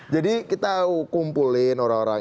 jadi kita kumpulin orang orang